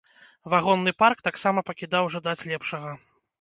Вагонны парк таксама пакідаў жадаць лепшага.